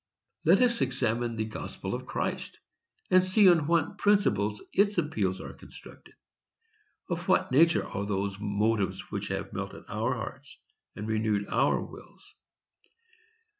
Let us examine the gospel of Christ, and see on what principles its appeals are constructed. Of what nature are those motives which have melted our hearts and renewed our wills?